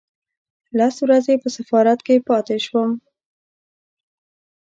لس ورځې په سفارت کې پاتې شوم.